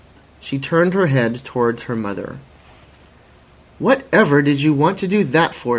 She turned her head towards her mother. "Whatever did you want to do that for?"